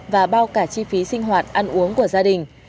và bao cả chi phí sinh hoạt ăn uống của gia đình